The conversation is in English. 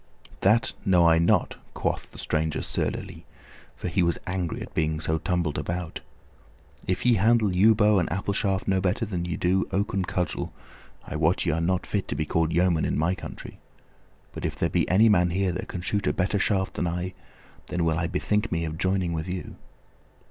"That know I not," quoth the stranger surlily, for he was angry at being so tumbled about. "If ye handle yew bow and apple shaft no better than ye do oaken cudgel, I wot ye are not fit to be called yeomen in my country; but if there be any man here that can shoot a better shaft than I, then will I bethink me of joining with you."